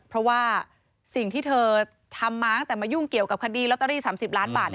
เพราะว่าสิ่งที่เธอทำมาตั้งแต่มายุ่งเกี่ยวกับคดีลอตเตอรี่๓๐ล้านบาท